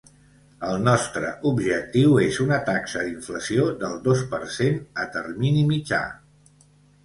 El nostre objectiu és una taxa d’inflació del dos per cent a termini mitjà.